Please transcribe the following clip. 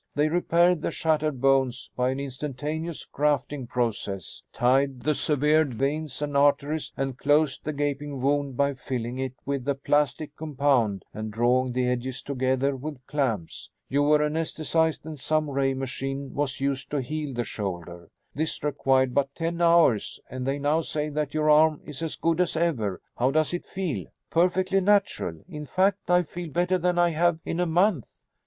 They repaired the shattered bones by an instantaneous grafting process, tied the severed veins and arteries and closed the gaping wound by filling it with a plastic compound and drawing the edges together with clamps. You were anaesthetized and some ray machine was used to heal the shoulder. This required but ten hours and they now say that your arm is as good as ever. How does it feel?" "Perfectly natural. In fact I feel better than I have in a month."